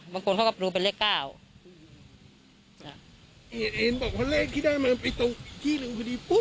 บางคนเขาก็ดูเป็นเลขเก้าอืมเห็นบอกว่าเลขที่ได้มันไปตรงที่หนึ่งพอดีปุ๊